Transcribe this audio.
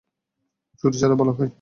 ছুরি ছাড়া ভালো হয়।